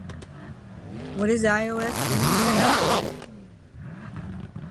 As the county was settled, precincts were formed and boundaries defined.